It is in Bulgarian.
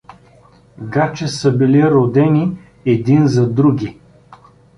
Гаче са били родени един за други.